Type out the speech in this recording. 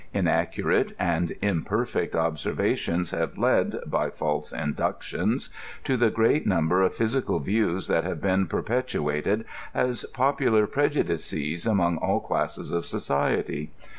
Inaccu rate and imperfect observations have led, by false inductions, to the great number of physic?,l views that have been perpet uated as popular prejudices among all classes of society.